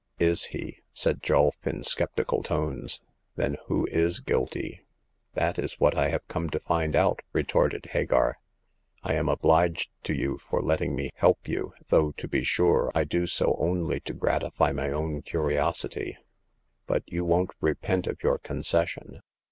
'Is he ?" said Julf, in sceptical tones ;then who is guilty ?"" That is what I have come to find out," re The Eighth Customer. 213 torted Hagar. " I am obHged to you for letting me help you, though, to be sure, I do so only to gratify my own curiosity. But you won't repent of your concession.